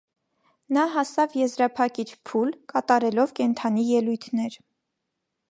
Նա հասավ եզրափակիչ փուլ՝ կատարելով կենդանի ելույթներ։